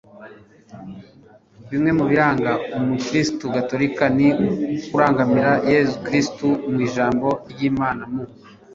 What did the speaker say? bimwe mu biranga umukirisitu gatolika ni ukurangamira yezu kristu mu ijambo ry'imana, mu